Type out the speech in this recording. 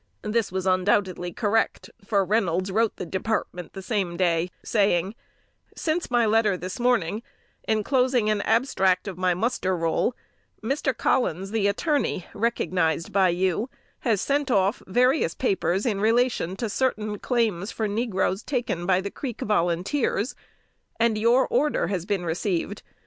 This was undoubtedly correct, for Reynolds wrote the Department the same day, saying, "Since my letter this morning, enclosing an abstract of my muster roll, Mr. Collins, the attorney, recognized by you, has sent off various papers, in relation to certain claims for negroes taken by the Creek Volunteers, and your order has been received.